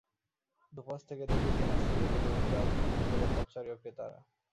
দুপাশ থেকে দুটি ট্রেন আসতে দেখে দৌড়ঝাঁপ শুরু করে পথচারী ও ক্রেতারা।